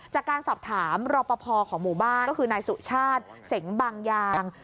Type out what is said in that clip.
จากการสอบถามรอปภของหมู่บ้านก็คือนายสุชาติเสงบางยาง